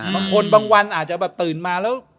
บางคนบางวันอาจจะแบบตื่นมาแล้ว